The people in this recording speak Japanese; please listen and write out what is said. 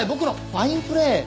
ファインプレー？